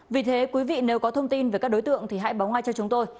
vì thế quý vị nếu có thông tin về các đối tượng thì hãy báo ngay cho chúng tôi